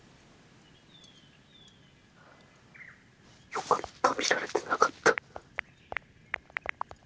よかった見られてなかった。